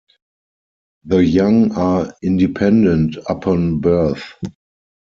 The young are independent upon birth.